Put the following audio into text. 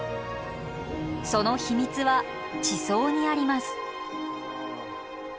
その秘密は地層にあります。